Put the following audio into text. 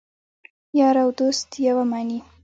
یار او دوست یوه معنی